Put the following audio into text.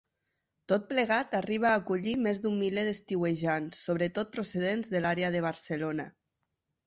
Tot plegat arriba a acollir més d'un miler d'estiuejants, sobretot procedents de l'àrea de Barcelona.